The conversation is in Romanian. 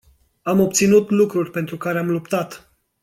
Am obținut lucrurile pentru care am luptat.